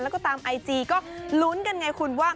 แล้วก็ตามไอจีก็ลุ้นกันไงคุณว่า